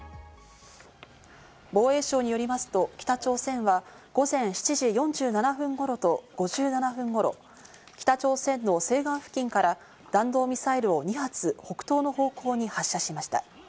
防衛省によりますと、北朝鮮は午前７時４７分頃と５７分頃、北朝鮮の西岸付近から弾道ミサイルを２発、北東の方向に発射しました。